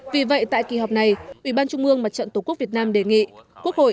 vì vậy tại kỳ họp này ủy ban trung mương mặt trận tổ quốc việt nam đề nghị quốc hội